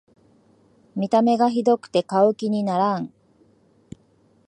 見た目がひどくて買う気にならん